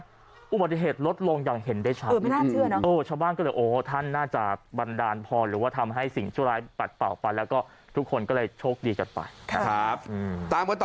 แบบเจ้าแท้เหตุลดลงอย่างเห็นได้ครับชาวบ้านก็เลยอ๋อท่านน่าจะบันดาลพอหรือว่าทำให้สิ่งชั่วร้ายปัดเป่าไปแล้วทุกคนก็เลยโชคดีกว่าไป